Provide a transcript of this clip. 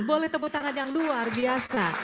boleh tepuk tangan yang luar biasa